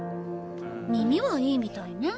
耳はいいみたいね。